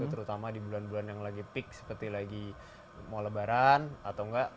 terutama di bulan bulan yang lagi peak seperti lagi mau lebaran atau enggak